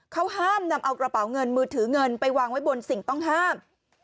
เขาห้ามนำเอากระเป๋าเงินมือถือเงินไปวางไว้บนสิ่งต้องห้าม